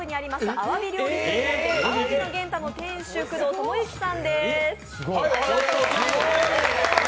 あわび料理専門店、あわびの源太の店主、工藤智之さんです。